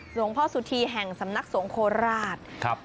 หลวงพ่อสุธีแห่งสำนักสงฆราชครับ